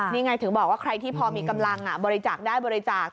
นี่ไงถึงบอกว่าใครที่พอมีกำลังบริจาคได้บริจาค